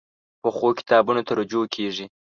پخو کتابونو ته رجوع کېږي